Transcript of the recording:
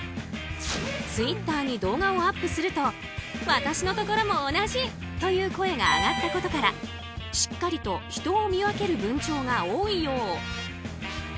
ツイッターに動画をアップすると私のところも同じという声が上がったことからしっかりと人を見分ける文鳥が多いよう。